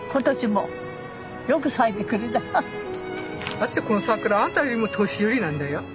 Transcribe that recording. だってこの桜あんたよりも年寄りなんだよ。